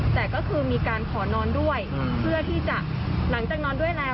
แต่ก็คือมีการขอนอนด้วยเพื่อที่จะหลังจากนอนด้วยแล้ว